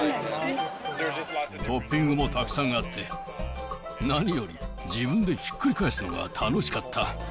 トッピングもたくさんあって、何より自分でひっくり返すのが楽しかった。